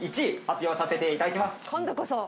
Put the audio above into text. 発表させていただきます。